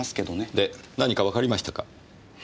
で何かわかりましたか？